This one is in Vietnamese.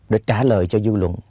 để trả lời cho dư luận